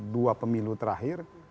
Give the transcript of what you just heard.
dua pemilu terakhir